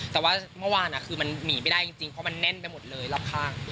แต่ว่าเมื่อวานคือมันหนีไม่ได้จริงเพราะมันแน่นไปหมดเลยรอบข้าง